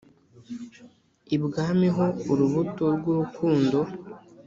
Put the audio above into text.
Ibwami ho Urubuto rwurukundo